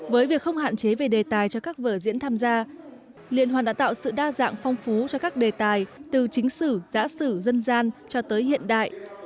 với việc không hạn chế về đề tài cho các vở diễn tham gia liên hoan đã tạo sự đa dạng phong phú cho các đề tài từ chính sử giã sử dân gian cho tới hiện đại